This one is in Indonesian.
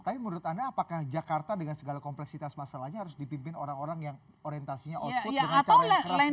tapi menurut anda apakah jakarta dengan segala kompleksitas masalahnya harus dipimpin orang orang yang orientasinya output dengan cara yang keras